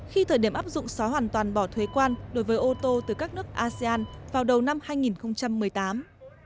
khi thời điểm áp dụng xóa hoàn toàn bỏ thuế quan đối với ô tô từ các nước asean vào đầu năm hai nghìn một mươi tám